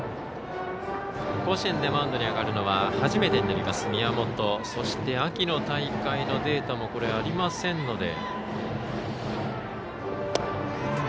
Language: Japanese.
甲子園でマウンドに上がるのは初めてになります宮本、そして秋の大会のデータもありませんので。